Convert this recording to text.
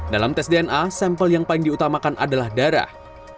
dalam tes dna sampel yang paling diutamakan adalah darah